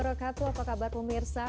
apa kabar pemirsa